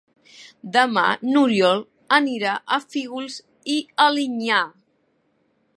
Demà n'Oriol anirà a Fígols i Alinyà.